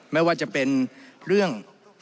ไม่ว่าจะเป็นเรื่อง